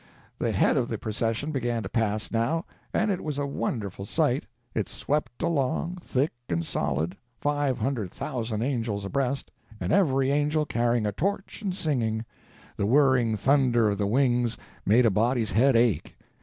The head of the procession began to pass, now, and it was a wonderful sight. It swept along, thick and solid, five hundred thousand angels abreast, and every angel carrying a torch and singing—the whirring thunder of the wings made a body's head ache.